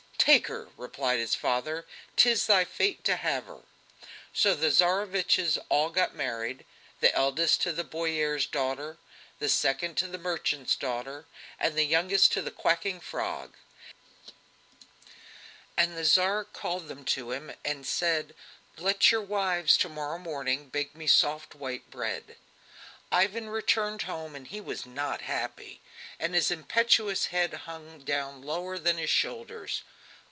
"Take her!" replied his father, "'tis thy fate to have her!" So the Tsareviches all got married the eldest to the boyar's daughter, the second to the merchant's daughter, and the youngest to the quacking frog. And the Tsar called them to him and said: "Let your wives, to morrow morning, bake me soft white bread." Ivan returned home, and he was not happy, and his impetuous head hung down lower than his shoulders.